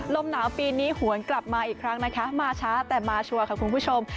ลมหนาวปีนี้หวนกลับมาอีกครั้งนะคะมาช้าแต่มาชัวร์ค่ะคุณผู้ชม